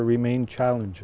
nhưng vẫn còn những vấn đề